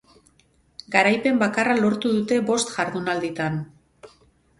Garaipen bakarra lortu dute bost jardunalditan.